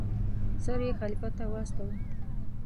سر یې خلیفه ته واستاوه.